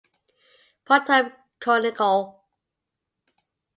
Pronotum conical.